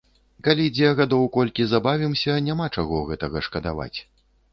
Калі дзе гадоў колькі забавімся, няма чаго гэтага шкадаваць.